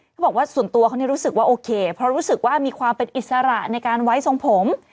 เขาบอกว่าส่วนตัวเขารู้สึกว่าโอเคเพราะรู้สึกว่ามีความเป็นอิสระในการไว้ทรงผม